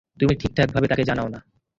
তুমি ঠিকভাবে তাকে জানোও না!